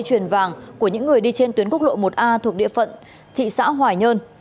truyền vàng của những người đi trên tuyến quốc lộ một a thuộc địa phận thị xã hoài nhơn